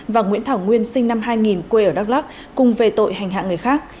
và nguyễn thảo nguyên sinh năm hai nghìn quê ở đắk lắk cùng về tội hành hạ người khác